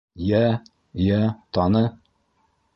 Йә, йә, таны!